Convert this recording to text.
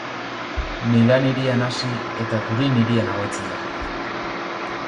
Milan hirian hasi eta Turin hirian amaitzen da.